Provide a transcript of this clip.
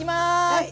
はい。